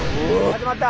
始まった！